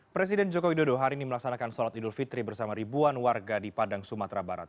presiden joko widodo hari ini melaksanakan sholat idul fitri bersama ribuan warga di padang sumatera barat